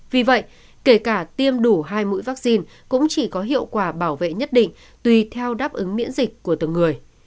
vì vậy kể cả tiêm đủ hai mũi vaccine cũng chỉ có hiệu quả bảo vệ nhất định tùy theo đáp ứng miễn dịch của từng người